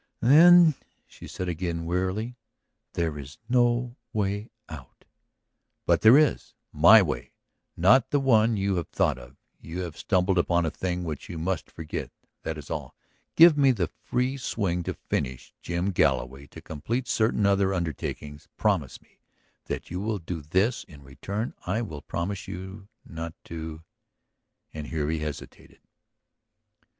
"Then," she said again wearily, "there is no way out." "But there is! My way, not the one you have thought of. You have stumbled upon a thing which you must forget; that is all. Give me the free swing to finish Jim Galloway, to complete certain other undertakings. Promise me that you will do this; in return I will promise you not to ...." And here he hesitated.